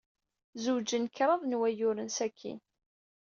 Zewǧen kraḍ n wayyuren sakkin.